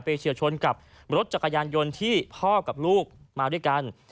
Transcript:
เฉียวชนกับรถจักรยานยนต์ที่พ่อกับลูกมาด้วยกัน